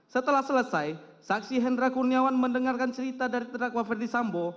setelah selesai saksi hendra kurniawan mendengarkan cerita dari terdakwa ferdisambo